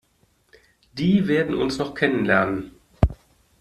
Die werden uns noch kennenlernen!